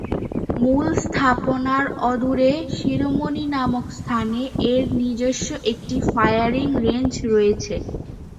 মূল স্থাপনার অদূরে শিরোমণি নামক স্থানে এর নিজস্ব একটি ফায়ারিং রেঞ্জ রয়েছে।